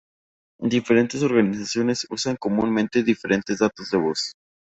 Diferentes organizaciones usan comúnmente diferentes datos de voz.